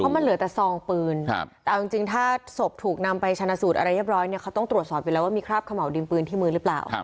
มันเหลือแต่ซองปืนแต่เอาจริงถ้าศพถูกนำไปชนะสูตรอะไรเรียบร้อยเนี่ยเขาต้องตรวจสอบอยู่แล้วว่ามีคราบเขม่าวดินปืนที่มือหรือเปล่า